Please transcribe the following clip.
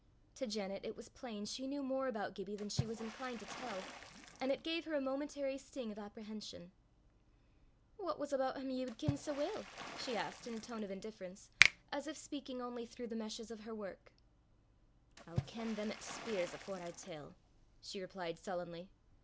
To Janet it was plain she knew more about Gibbie than she was inclined to tell, and it gave her a momentary sting of apprehension. "What was aboot him ye wad ken sae weel?" she asked in a tone of indifference, as if speaking only through the meshes of her work. "I'll ken them 'at speirs afore I tell," she replied sullenly.